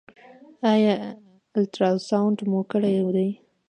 ایا الټراساونډ مو کړی دی؟